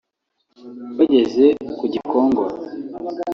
Bageze ku Gikongoro